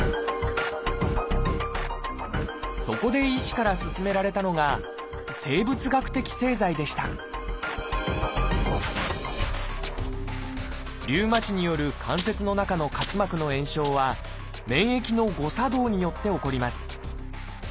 そこで医師から勧められたのがリウマチによる関節の中の滑膜の炎症は免疫の誤作動によって起こります。